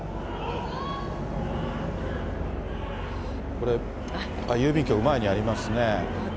これ、郵便局、前にありますね。